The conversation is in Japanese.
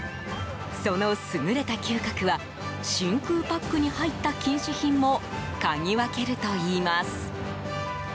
その優れた嗅覚は真空パックに入った禁止品も嗅ぎ分けるといいます。